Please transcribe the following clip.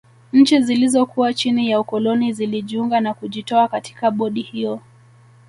Nchi zilizokuwa chini ya ukoloni zilijiunga na kujitoa katika bodi hiyo